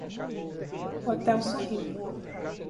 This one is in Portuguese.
O hotel sorriu.